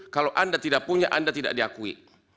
kalau anda tidak punya anda tidak diakui